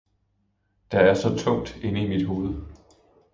Der er så tungt inde i mit hoved!